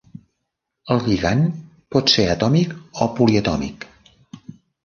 El lligand pot ser atòmic o poliatòmic.